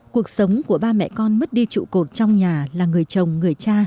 cuộc sống của ba mẹ con mất đi trụ cột trong nhà là người chồng người cha